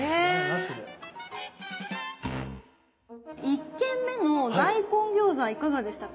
１軒目の大根餃子いかがでしたか？